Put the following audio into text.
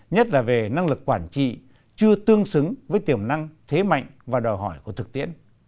nhất là về năng lực quản trị chưa tương xứng với tiềm năng thế mạnh và đòi hỏi của thực tiễn